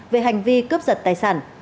về hành vi cướp giật tài sản